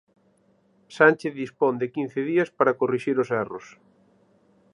Sánchez dispón de quince días para corrixir os erros.